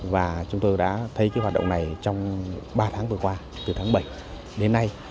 và chúng tôi đã thấy cái hoạt động này trong ba tháng vừa qua từ tháng bảy đến nay